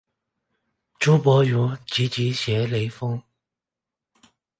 朱伯儒积极学雷锋。